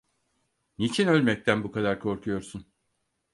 Niçin ölmekten bu kadar korkuyorsun?